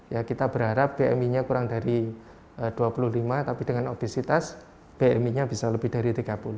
ya kita berharap bmi nya kurang dari dua puluh lima tapi dengan obesitas bmi nya bisa lebih dari tiga puluh